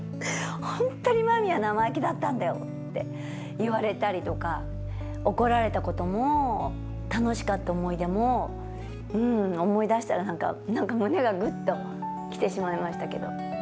本当に真実は生意気だったんだよって言われたりとか怒られたことも楽しかった思い出も思い出したら何か胸がグッと来てしまいましたけど。